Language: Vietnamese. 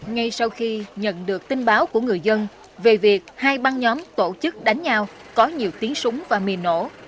ngay sau khi nhận được tin báo của người dân về việc hai băng nhóm tổ chức đánh nhau có nhiều tiếng súng và mì nổ